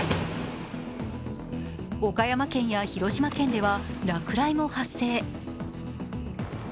岡山県や広島県では落雷も発生。